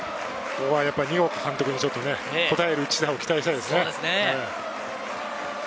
これは二岡監督にこたえる一打を期待したいですね。